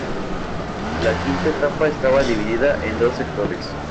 La quinta etapa estaba dividida en dos sectores.